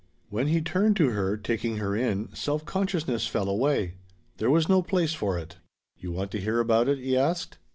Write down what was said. When he turned to her, taking her in, self consciousness fell away. There was no place for it. "You want to hear about it?" he asked.